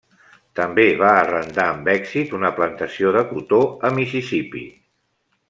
També va arrendar amb èxit una plantació de cotó a Mississipí.